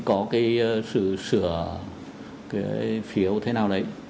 có cái sự sửa cái phiếu thế nào đấy